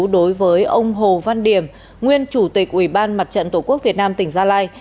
đối với ông hồ văn điểm nguyên chủ tịch ủy ban mặt trận tổ quốc việt nam tỉnh gia lai